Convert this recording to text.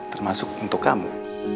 termasuk untuk kamu